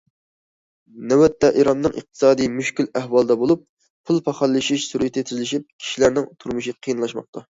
نۆۋەتتە ئىراننىڭ ئىقتىسادى مۈشكۈل ئەھۋالدا بولۇپ، پۇل پاخاللىشىش سۈرئىتى تېزلىشىپ، كىشىلەرنىڭ تۇرمۇشى قىيىنلاشماقتا.